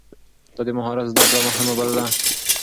ده د مهارت زده کړه مهمه بلله.